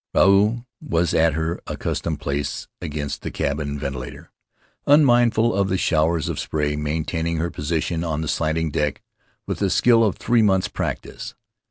Ruau was at her accustomed place against the cabin ven tilator, unmindful of the showers of spray, maintaining her position on the slanting deck with the skill of three months' practice.